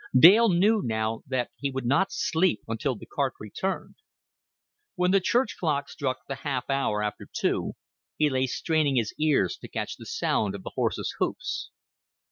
Dale knew now that he would not sleep until the cart returned. When the church clock struck the half hour after two, he lay straining his ears to catch the sound of the horse's hoofs.